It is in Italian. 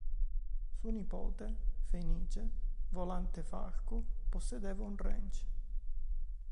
Suo nipote, Fenice Volante Falco, possedeva un ranch.